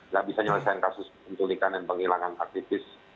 gak bisa nyelesaian kasus penculikan dan penghilangan aktivis